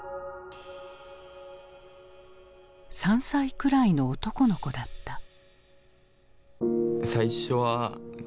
３歳くらいの男の子だった。